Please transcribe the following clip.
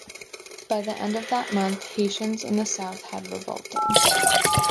By the end of that month, Haitians in the south had revolted.